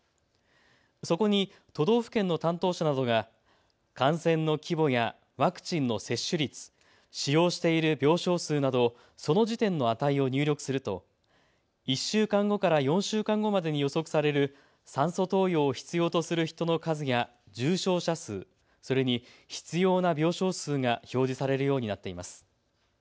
そこに都道府県の担当者などが感染の規模やワクチンの接種率、使用している病床数など、その時点の値を入力すると１週間後から４週間後までに予想される酸素投与を必要とする人の数や重症者数、それに必要な病床数が表示されるようになっています。